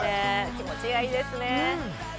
気持ちがいいですね。